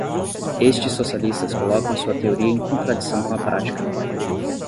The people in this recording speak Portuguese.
Estes socialistas colocam sua teoria em contradição com a prática